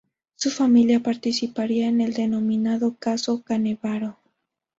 Su familia participaría en el denominado "Caso Canevaro".